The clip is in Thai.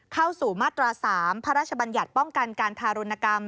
เข้าสู่มาตรา๓พระราชบัญญัติป้องกันการทารุณกรรม